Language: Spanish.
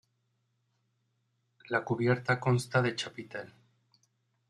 La cubierta consta de chapitel.